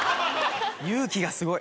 勇気がすごい。